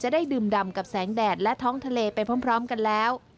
ได้ดื่มดำกับแสงแดดและท้องทะเลไปพร้อมกันแล้ว